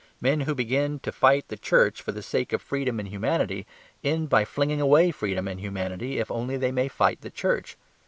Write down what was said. Men who begin to fight the Church for the sake of freedom and humanity end by flinging away freedom and humanity if only they may fight the Church.